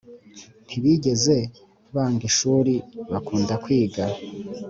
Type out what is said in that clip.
Ntibigeze banga ishuri, bakunda kwiga